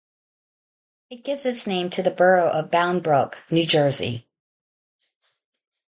It gives its name to the borough of Bound Brook, New Jersey.